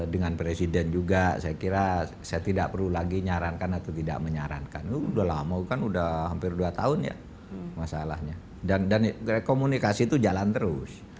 dengan presiden juga saya kira saya tidak perlu lagi nyarankan atau tidak menyarankan itu sudah lama kan udah hampir dua tahun ya masalahnya dan komunikasi itu jalan terus